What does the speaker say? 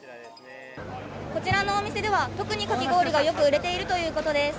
こちらのお店では、特にかき氷がよく売れているということです。